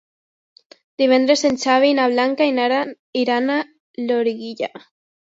Divendres en Xavi i na Blanca iran a Loriguilla.